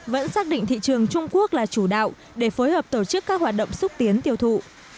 vẫn xác định thị trường trung quốc là chủ đạo để phối hợp tổ chức các hoạt động xúc tiến tiêu thụ